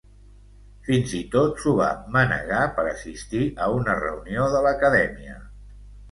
Fins i tot s'ho va manegar per assistir a una reunió de l'Acadèmia.